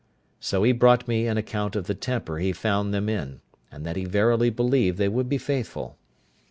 So he brought me an account of the temper he found them in, and that he verily believed they would be faithful.